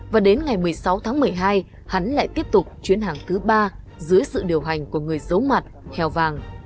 và đến ngày một mươi sáu tháng một mươi hai hắn lại tiếp tục chuyến hàng thứ ba dưới sự điều hành của người giấu mặt heo vàng